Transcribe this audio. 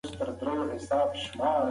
دی پر خپل کټ باندې کښېناست.